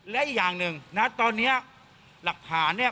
และอีกอย่างหนึ่งนะตอนนี้หลักฐานเนี่ย